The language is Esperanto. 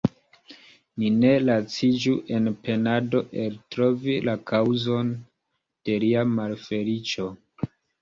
Ni ne laciĝu en penado eltrovi la kaŭzon de lia malfeliĉo.